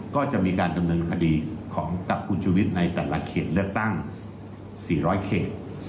ก็จะมีการดำเนินคดีของกับคุณชุวิตในแต่ละเขตเลือกตั้ง๔๐๐เขต